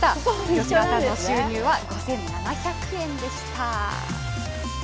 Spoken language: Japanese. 吉田さんの収入は５７００円でした。